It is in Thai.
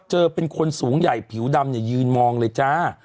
เป็นคนสูงใหญ่ผิวดำเนี่ยยืนมองเลยจ้า